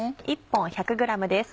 １本１００ｇです。